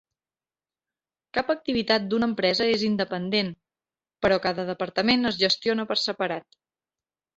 Cap activitat d'una empresa és independent, però cada departament es gestiona per separat.